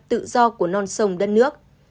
tự do của non sông đất nước